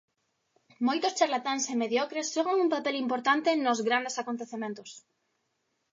Moitos charlatáns e mediocres xogan un papel importante nos grandes acontecementos.